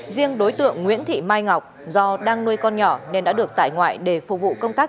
riêng đối tượng nguyễn thị mai ngọc do đang nuôi con nhỏ nên đã được tại ngoại để phục vụ công tác